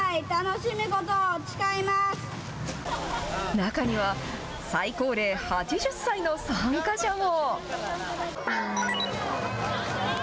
中には、最高齢８０歳の参加者も。